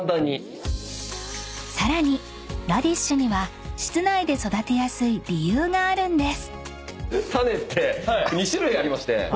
［さらにラディッシュには室内で育てやすい理由があるんです］